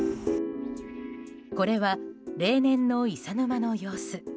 これは例年の伊佐沼の様子。